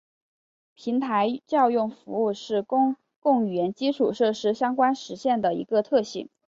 平台叫用服务是公共语言基础设施相关实现的一个特性。